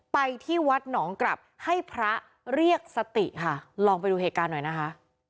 ไปที่วัดหนองกลับให้พระเรียกสติค่ะลองไปดูเหตุการณ์หน่อยนะคะ